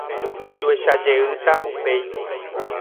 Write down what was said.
Jajuecha jeýta upéi.